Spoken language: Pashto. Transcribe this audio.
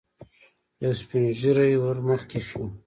يو سپين ږيری ور مخته شو.